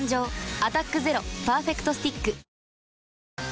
「アタックＺＥＲＯパーフェクトスティック」